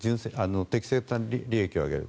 適正な利益を上げる。